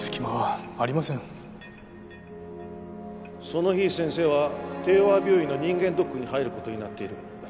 その日先生は帝和病院の人間ドックに入る事になっている。